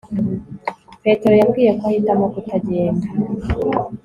petero yambwiye ko ahitamo kutagenda